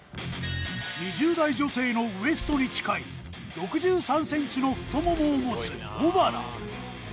２０代女性のウエストに近い６３ｃｍの太ももを持つ小原